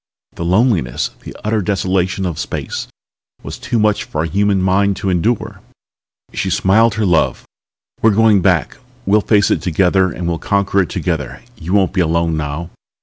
The loneliness, the utter desolation of space, was too much for a human mind to endure." She smiled her love. "We're going back. We'll face it together and we'll conquer it together. You won't be alone now.